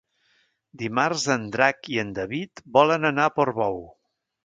Dimarts en Drac i en David volen anar a Portbou.